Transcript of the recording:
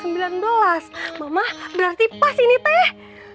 mama berarti pas ini teh